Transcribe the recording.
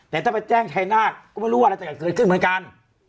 แต่ถ้าไปแจ้งชายนาฏก็ไม่รู้ว่าอะไรจะเกิดขึ้นเหมือนกัน